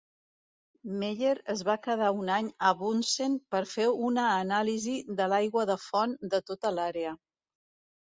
Meyer es va quedar un any a Bunsen per fer una anàlisi de l'aigua de font de tota l'àrea.